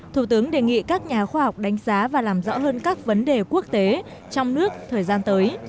thủ tướng đề nghị các nhà khoa học đánh giá và làm rõ hơn các vấn đề quốc tế trong nước thời gian tới